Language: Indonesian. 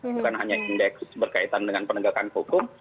bukan hanya indeks berkaitan dengan penegakan hukum